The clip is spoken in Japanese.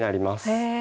へえ。